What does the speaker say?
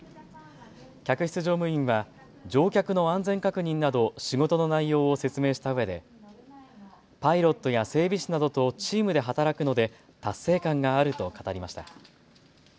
客室乗務員は乗客の安全確認など仕事の内容を説明したうえでパイロットや整備士などとチームで働くので達成感があると語りました。